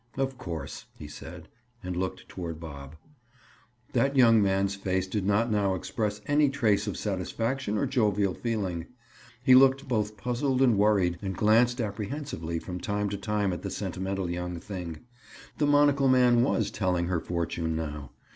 "Of course," he said, and looked toward Bob. That young man's face did not now express any trace of satisfaction or jovial feeling. He looked both puzzled and worried, and glanced apprehensively from time to time at the sentimental young thing. The monocle man was telling her fortune now.